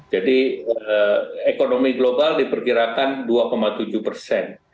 jadi ekonomi global diperkirakan dua tujuh persen